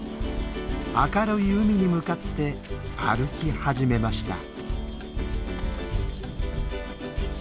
明るい海に向かって歩き始めました。